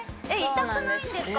痛くないんですか？